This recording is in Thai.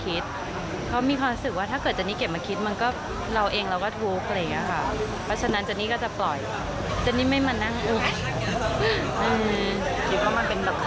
คิดว่ามันเป็นแบบข่าวที่มาดิสเทอดินต์เราไหมคะ